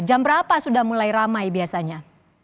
jam berapa sudah mulai ramai biasanya